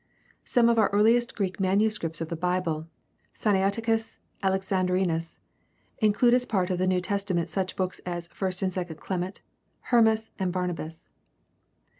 Some of our earhest Greek manuscripts of the Bible (Smaiticus, Alexandrinus) include as part of the New Testa ment such books as I and II Clement, Hermas, and Barnabas.